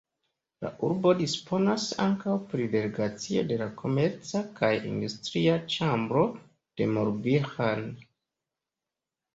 La urbo disponas ankaŭ pri delegacio de la komerca kaj industria ĉambro de Morbihan.